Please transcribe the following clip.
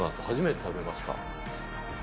初めて食べました。